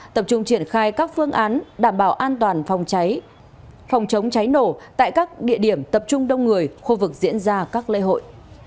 tập trung triển khai các phương án đảm bảo an toàn phòng chống cháy nổ tại các địa điểm tập trung đông người khu vực diễn ra các lễ hội